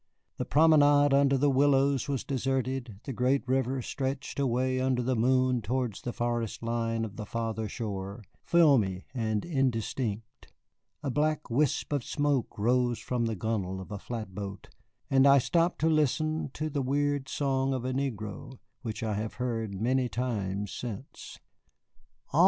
The promenade under the willows was deserted, the great river stretched away under the moon towards the forest line of the farther shore, filmy and indistinct. A black wisp of smoke rose from the gunwale of a flatboat, and I stopped to listen to the weird song of a negro, which I have heard many times since. CAROLINE.